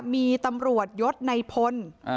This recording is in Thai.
มีตำรวจยศในพล